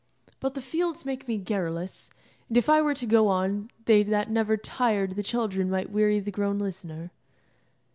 But the fields make me garrulous, and if I were to go on they that never tired the children might weary the grown listener.